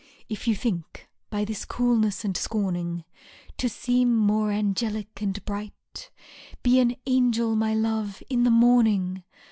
If you think, by this coldness and scorning. To seem more angelic and bright. Be an angel, my love, in the morning.